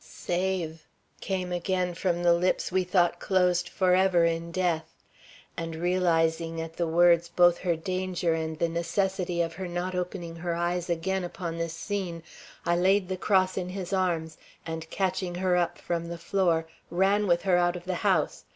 "Save!" came again from the lips we thought closed forever in death. And realizing at the words both her danger and the necessity of her not opening her eyes again upon this scene, I laid the cross in his arms, and catching her up from the floor, ran with her out of the house.